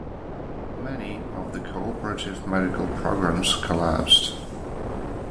Many of the cooperative medical programs collapsed.